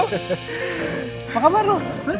apa kabar lu